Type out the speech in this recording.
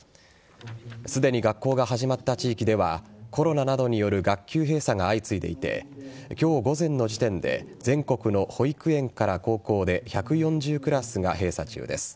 すでに学校が始まった地域ではコロナなどによる学級閉鎖が相次いでいて今日午前の時点で全国の保育園から高校で１４０クラスが閉鎖中です。